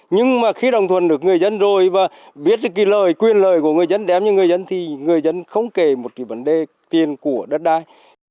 nhưng mà khi đồng thuận được người dân rồi và biết được cái lời quyền lời của người dân đem cho người dân thì người dân không kể một cái vấn đề tiền của đất đai